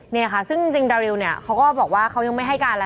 นี่ค่ะซึ่งจริงดาริวเนี่ยเขาก็บอกว่าเขายังไม่ให้การอะไร